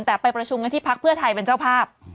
แต่ไปประชุมกันที่พักเพื่อไทยเป็นเจ้าภาพ